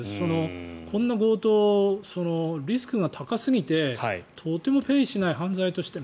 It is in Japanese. こんな強盗、リスクが高すぎてとてもペイしない、犯罪として。